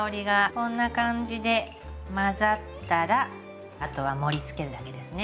こんな感じで混ざったらあとは盛りつけるだけですね。